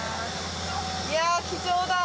いや貴重だ！